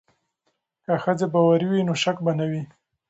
که ښځې باوري وي نو شک به نه وي.